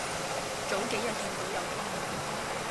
早幾日見到有篇文